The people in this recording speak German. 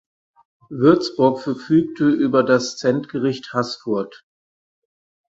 Würzburg verfügte über das Zentgericht Haßfurt.